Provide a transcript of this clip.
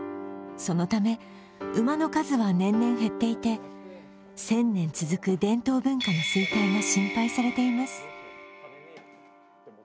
そのため、馬の数は年々減っていて１０００年続く伝統文化の衰退が心配されています。